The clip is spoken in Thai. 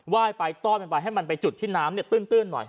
ว่ายไปต้อนมันไปให้มันไปจุดที่น้ำตื้นหน่อย